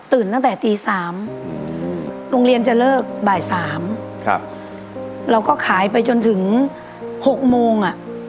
ตื่นตั้งแต่ตี๓โรงเรียนจะเลิกบ่าย๓เราก็ขายไปจนถึง๖โมง